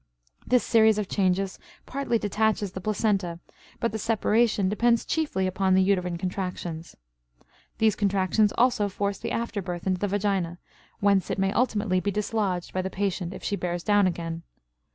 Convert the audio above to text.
This series of changes partly detaches the placenta, but the separation depends chiefly upon the uterine contractions. These contractions also force the after birth into the vagina, whence it may ultimately be dislodged by the patient if she bears down again.